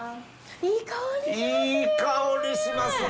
いい香りしますね。